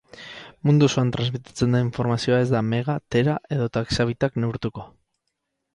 Mundu osoan transmititzen den informazioa ez da mega, tera edota exabit-ak neurtuko.